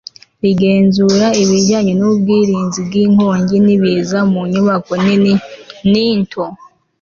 rigenzura ibijyanye n'ubwirinzi bw'inkongi n'ibiza mu nyubako nini n'into